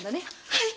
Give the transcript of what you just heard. はい。